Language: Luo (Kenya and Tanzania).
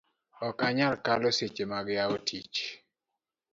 ok anyal kalo seche mag yawo tich